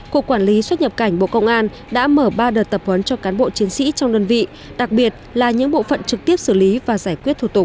cục quản lý xuất nhập cảnh bộ công an đã mở ba đợt tập huấn cho cán bộ chiến sĩ trong đơn vị đặc biệt là những bộ phận trực tiếp xử lý và giải quyết thủ tục